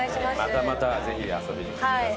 またまたぜひ遊びに来てください。